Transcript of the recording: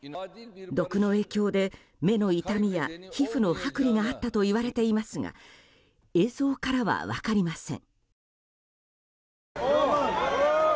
毒の影響で目の痛みや皮膚の剥離があったといわれていますが映像からは分かりません。